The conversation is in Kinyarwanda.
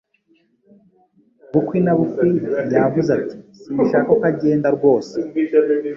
Bukwi na bukwi, yavuze ati: 'Sinshaka ko agenda rwose